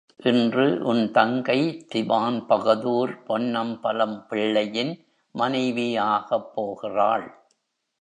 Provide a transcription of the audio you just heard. இன்று உன் தங்கை திவான்பகதூர் பொன்னம்பலம் பிள்ளையின் மனைவி ஆகப்போகிறாள்.